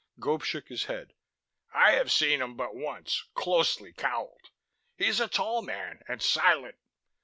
Gope shook his head. "I have seen him but once, closely cowled. He is a tall man, and silent.